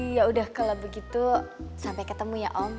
ya udah kalau begitu sampai ketemu ya om